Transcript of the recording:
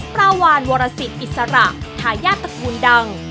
ปลาวานวรสิตอิสระทายาทตระกูลดัง